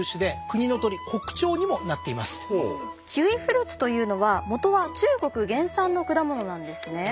キウイフルーツというのは元は中国原産の果物なんですね。